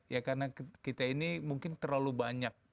ya karena kita ini mungkin terlalu banyak